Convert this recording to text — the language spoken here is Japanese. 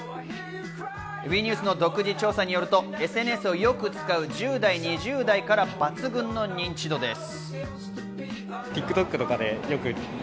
ＷＥニュースの独自調査によると、ＳＮＳをよく使う１０代、２０代から抜群の認知度です。